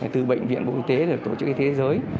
từ bệnh viện bộ y tế rồi tổ chức y tế thế giới